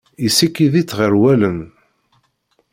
Yessikid-itt ɣer wallen.